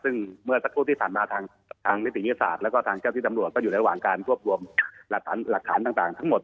ซึ่งเมื่อสักครู่ที่ผ่านมาทางนิติวิทยาศาสตร์แล้วก็ทางเจ้าที่ตำรวจก็อยู่ระหว่างการรวบรวมหลักฐานต่างทั้งหมด